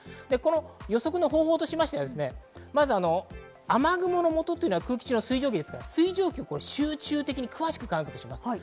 予測の方法としまして、雨雲のもとは空気中の水蒸気ですから、水蒸気を集中的に詳しく観測します。